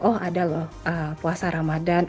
oh ada loh puasa ramadan